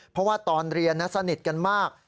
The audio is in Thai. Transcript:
เพราะว่าตอนเรียนสนิทกันมาก